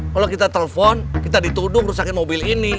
kalau kita telpon kita dituduh rusakin mobil ini